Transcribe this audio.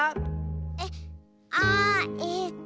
えっあえっと。